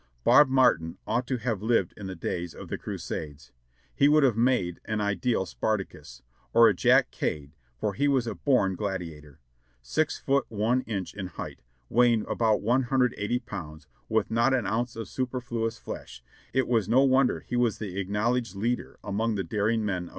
Bob Martin ought to have lived in the days of the Crusades. He would have made an ideal Sparticus, or a Jack Cade, for he was a ])orn gladiator: six feet one inch in height, weighing about i8o pounds, w'ith not an ounce of superfluous flesh, it was no wonder he was the acknowledged leader among the daring men of the SERGEANT BOB MAKTIN OF THE BLACK UORSE.